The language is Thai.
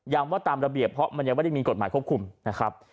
ว่าตามระเบียบเพราะมันยังไม่ได้มีกฎหมายควบคุมนะครับ